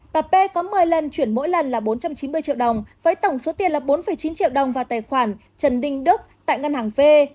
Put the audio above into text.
bà p có một mươi lần chuyển mỗi lần là bốn trăm chín mươi triệu đồng với tổng số tiền là bốn chín triệu đồng vào tài khoản trần đình đức tại ngân hàng phê